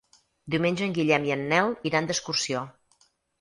Diumenge en Guillem i en Nel iran d'excursió.